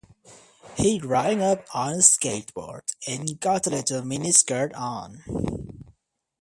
He ridin' up on a skateboard and got a little mini-skirt on.